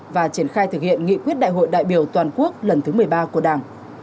và triển khai thực hiện nghị quyết đại hội đại biểu toàn quốc lần thứ một mươi ba của đảng